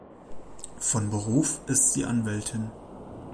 Von Beruf ist sie Anwältin.